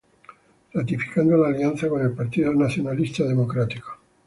Ratificando la alianza con el Partido Nacionalista Democrático.